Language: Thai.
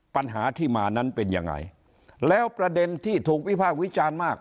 ปัญหาที่มานั้นเป็นยังไงแล้วประเด็นที่ถูกวิพากษ์วิจารณ์มาก